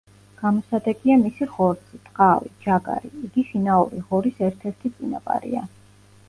გამოსადეგია მისი ხორცი, ტყავი, ჯაგარი; იგი შინაური ღორის ერთ-ერთი წინაპარია.